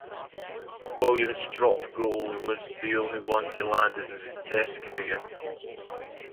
Williams's drop goal was the only one he landed in his Test career.